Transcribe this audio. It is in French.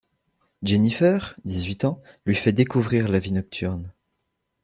Jennifer, dix-huit ans, lui fait découvrir la vie nocturne.